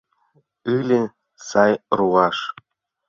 Ыле сай руаш.